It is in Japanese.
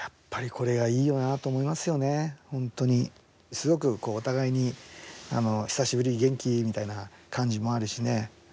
すごくお互いに久しぶり、元気？みたいな感じもあるしね。